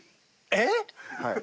えっ！？